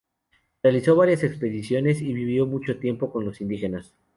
Realizó varias expediciones y vivió mucho tiempo con los indígenas.